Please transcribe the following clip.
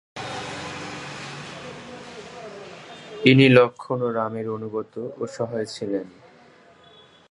ইনি লক্ষ্মণ ও রামের অনুগত ও সহায় ছিলেন।